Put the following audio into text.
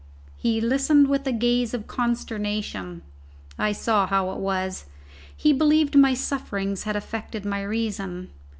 He listened with a gaze of consternation: I saw how it was; he believed my sufferings had affected my reason.